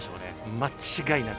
間違いなく。